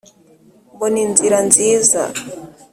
mbona inzira nziza.